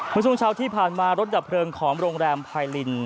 เมื่อช่วงเช้าที่ผ่านมารถดับเพลิงของโรงแรมไพริน